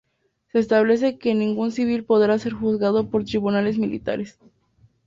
Se establece que ningún civil podrá ser juzgado por tribunales militares.